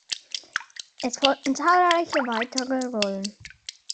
Es folgten zahlreiche weiter Rollen.